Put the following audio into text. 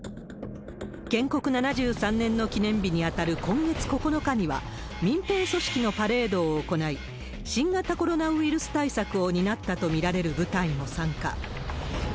建国７３年の記念日に当たる今月９日には、民兵組織のパレードを行い、新型コロナウイルス対策を担ったと見られる部隊も参加。